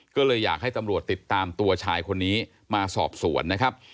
ก็เลยอยากให้ตำรวจติดตามตัวชายคนนี้มาสอบสวนนะครับ